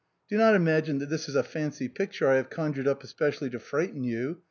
Do not imagine that this is a fancy picture I have conjured up especially to frighten you.